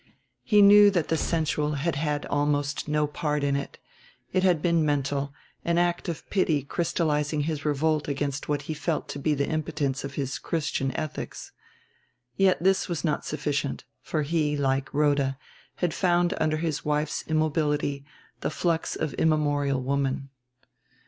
He knew that the sensual had had almost no part in it, it had been mental; an act of pity crystallizing his revolt against what he felt to be the impotence of "Christian" ethics. Yet this was not sufficient; for he, like Rhoda, had found under his wife's immobility the flux of immemorial woman.